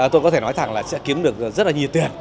tôi có thể nói thẳng là sẽ kiếm được rất là nhiều tiền